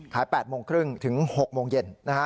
๘โมงครึ่งถึง๖โมงเย็น